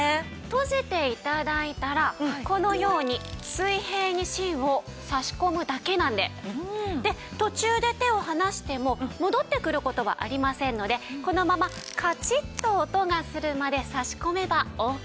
閉じて頂いたらこのように水平に芯を差し込むだけなんで途中で手を放しても戻ってくる事はありませんのでこのままカチッと音がするまで差し込めばオーケーです。